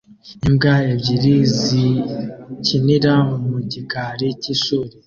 imbwa ebyiri zikinira mu gikari cy'ishuri